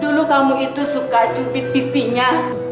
dulu kamu itu suka cubit pipinya